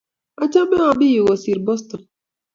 achame amii yu kosir Boston.